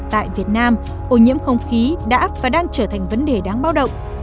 tại việt nam ô nhiễm không khí đã và đang trở thành vấn đề đáng báo động